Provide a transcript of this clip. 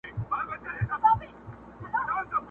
یوه ورځ به زه هم تنګ یمه له پلاره٫